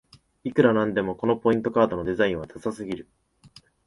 いくらなんでもこのポイントカードのデザインはダサすぎる